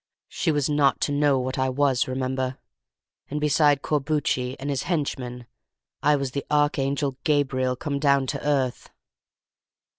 She was not to know what I was, remember; and beside Corbucci and his henchman I was the Archangel Gabriel come down to earth.